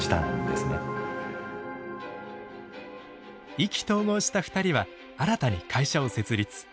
意気投合した２人は新たに会社を設立。